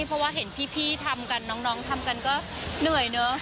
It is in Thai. เพราะว่าเห็นพี่ทำกันน้องทำกันก็เหนื่อยเนอะ